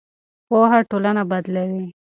پوهه ټولنه بدلوي.